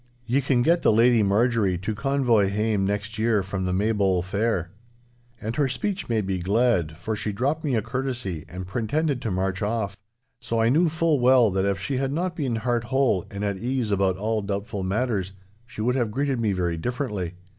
Ye can get the Lady Marjorie to convoy hame next year from the Maybole Fair.' And her speech made me glad, for she dropped me a courtesy and pretended to march off. So I knew full well that if she had not been heart whole and at ease about all doubtful matters, she would have greeted me very differently.